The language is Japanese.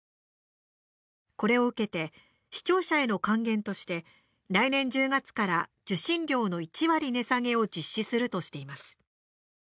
これを受けて視聴者への還元として来年１０月から受信料の１割値下げを実施するとしています。